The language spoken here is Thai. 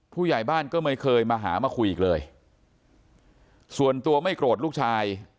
ผู้ใหญ่บ้านก็ไม่เคยมาหามาคุยอีกเลยส่วนตัวไม่โกรธลูกชาย